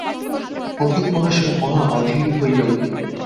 পণ্ডিতমহাশয় মহা অধীর হইয়া উঠিলেন।